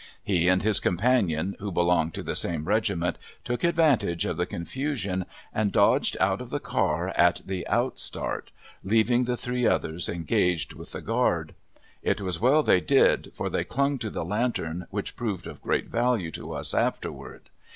He and his companion (who belonged to the same regiment) took advantage of the confusion and dodged out of the car at the outstart, leaving the three others engaged with the guard. It was well they did for they clung to the lantern which proved of great value to us afterward.